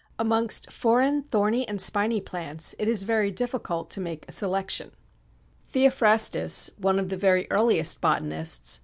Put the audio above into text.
Amongst foreign thorny and spiny plants it is very difficult to make a selection. Theophrastus (one of the very earliest botanists see p.